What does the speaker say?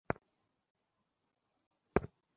সমস্যা নেই, ম্যাডাম।